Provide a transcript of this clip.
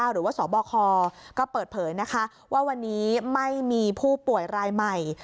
สบคก็เปิดเผยนะคะว่าวันนี้ไม่มีผู้ป่วยรายใหม่